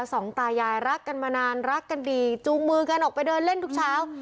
สองตายายรักกันมานานรักกันดีจูงมือกันออกไปเดินเล่นทุกเช้า